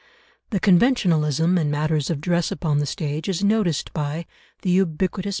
The conventionalism in matters of dress upon the stage is noticed by the ubiquitous M.